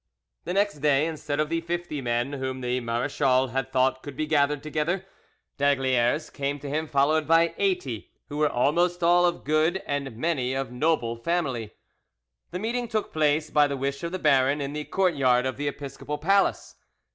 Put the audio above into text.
The next day, instead of the fifty men whom the marachal had thought could be gathered together, d'Aygaliers came to him followed by eighty, who were almost all of good and many of noble family. The meeting took place, by the wish of the baron, in the courtyard of the episcopal palace.